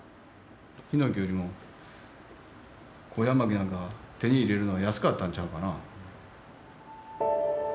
ヒノキよりもコウヤマキなんか手に入れるのは安かったんちゃうかな。